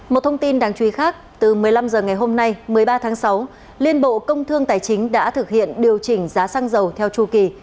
một thông tin đáng chú ý khác từ một mươi năm h ngày hôm nay một mươi ba tháng sáu liên bộ công thương tài chính đã thực hiện điều chỉnh giá xăng dầu theo chu kỳ